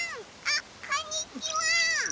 あっこんにちは！